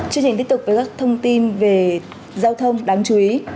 chương trình tiếp tục với các thông tin về giao thông đáng chú ý